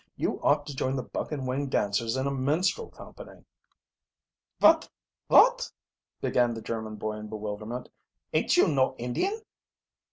"You ought to join the buck and wing dancers in a minstrel company." "Vot vot ?" began the German boy in bewilderment. "Ain't you no Indian?"